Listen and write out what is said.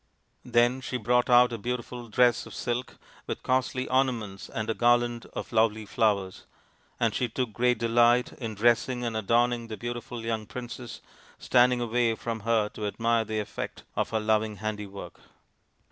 Then she brought out a beautiful dress of silk with costly ornaments and a garland of lovely flowers ; and she took great delight in dressing and adorning the beautiful young princess, standing away from her to admire the effect of her loving handiwork.